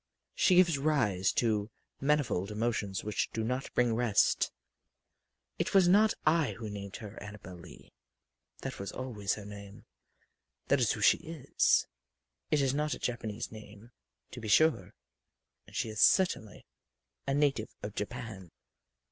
She gives rise to manifold emotions which do not bring rest. It was not I who named her Annabel Lee. That was always her name that is who she is. It is not a Japanese name, to be sure and she is certainly a native of Japan.